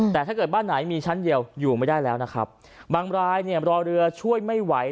แต่ถ้าเกิดบ้านไหนมีชั้นเดียวอยู่ไม่ได้แล้วนะครับบางรายเนี่ยรอเรือช่วยไม่ไหว